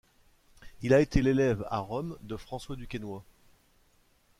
Il a été l’élève à Rome de François Duquesnoy.